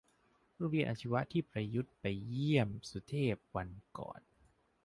โรงเรียนอาชีวะที่ประยุทธ์ไปเยี่ยมสุเทพวันก่อน